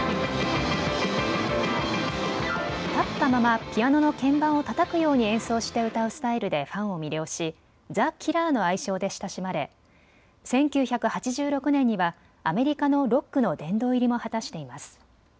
立ったままピアノの鍵盤をたたくように演奏して歌うスタイルでファンを魅了しザ・キラーの愛称で親しまれ１９８６年にはアメリカのロックの殿堂入りも果たしています。